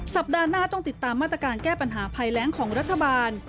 สัปดาห์หน้าต้องติดตามมาตรการแก้ปัญหาภัยแรงของรัฐบาล